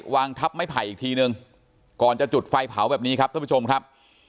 วางทับไม้ไผ่อีกทีนึงก่อนจะจุดไฟเผาแบบนี้ครับท่านผู้ชมครับ